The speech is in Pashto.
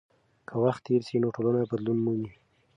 که وخت تېر سي نو ټولنه بدلون مومي.